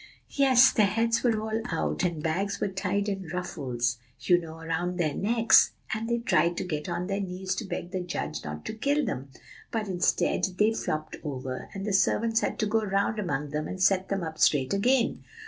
"Yes, their heads were all out, the bags were tied in ruffles, you know, around their necks; and they tried to get on their knees to beg the judge not to kill them; but instead, they flopped over, and the servants had to go around among them and set them up straight again.